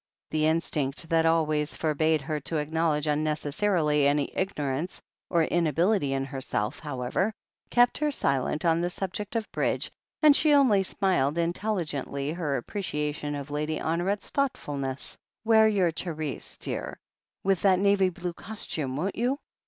. The instinct that always forbade her to acknowledge unnecessarily any ignorance or inability in herself, however, kept her silent on the subject of Bridge, and she only smiled intelligently her appreciation of Lady Honoret's thoughtfulness. "Wear your cerise, dear, with that navy blue cos tume, won't you